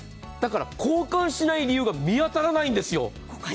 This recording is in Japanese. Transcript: だから交換しない理由が見当たらないんですよ。